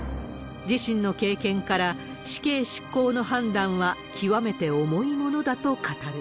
自身の経験から、死刑執行の判断は、極めて重いものだと語る。